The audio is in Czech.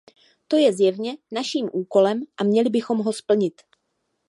Je to zjevně naším úkolem a měli bychom ho splnit.